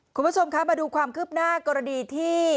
คุณผู้ชมคะมาดูความคืบหน้ากรณีที่